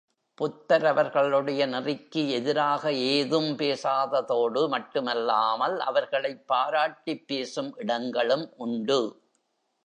புத்தர் அவர்களுடைய நெறிக்கு எதிராக ஏதும் பேசாததோடு மட்டுமல்லாமல் அவர்களைப் பாராட்டிப் பேசும் இடங்களும் உண்டு.